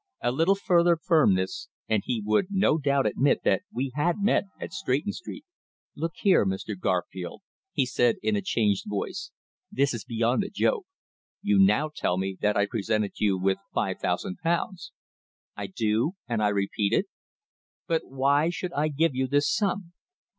A little further firmness, and he would no doubt admit that we had met at Stretton Street. "Look here, Mr. Garfield," he said in a changed voice. "This is beyond a joke. You now tell me that I presented you with five thousand pounds." "I do and I repeat it." "But why should I give you this sum?"